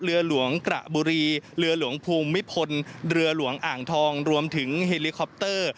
เรือหลวงกระบุรีเรือหลวงภูมิพลเรือหลวงอ่างทองรวมถึงเฮลิคอปเตอร์